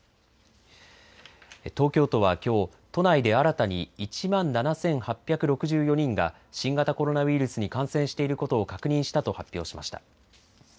東京都はきょう、都内で新たに１万７８６４人が新型コロナウイルスに感染していることを確認したと発表しました。